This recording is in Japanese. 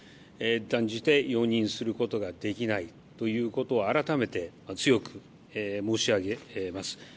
断じて容認することができないということを改めて強く申し上げます。